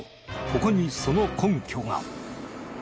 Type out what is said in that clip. ここにその根拠が。